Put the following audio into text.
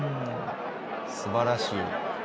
すばらしい。